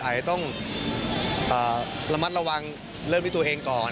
อาจจะต้องระมัดระวังเริ่มด้วยตัวเองก่อน